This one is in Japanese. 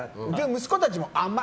息子たちも甘い。